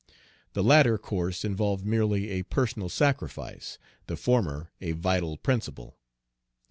The latter course involved merely a personal sacrifice the former a vital principle.